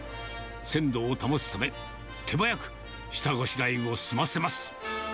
鮮度を保つため、手早く下ごしらえを済ませます。